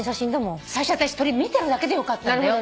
最初私鳥見てるだけでよかったんだよ。